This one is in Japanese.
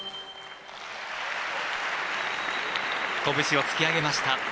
こぶしを突き上げました。